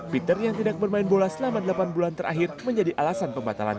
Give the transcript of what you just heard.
peter yang tidak bermain bola selama delapan bulan terakhir menjadi alasan pembatalan